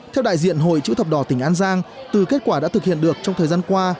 theo đại diện hội chữ thập đỏ tỉnh an giang từ kết quả đã thực hiện được trong thời gian qua